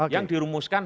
yang dirumuskan dalamnya